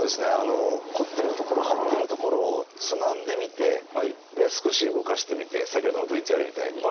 こってる所張ってる所をつまんでみて少し動かしてみて先ほどのＶＴＲみたいに。